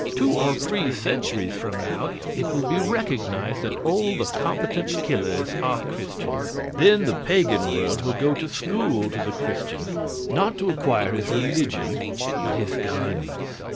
Two or three centuries from now it will be recognized that all the competent killers are Christians; then the pagan world will go to school to the Christian not to acquire his religion, but his guns.